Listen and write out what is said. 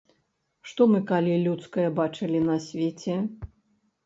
Што мы калі людскае бачылі на свеце?